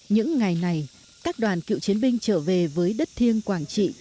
những ngày này các đoàn cựu chiến binh trở về với đất thiêng quảng trị